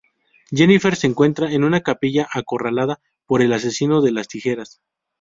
Jennifer se encuentra en una capilla acorralada por el asesino de las tijeras.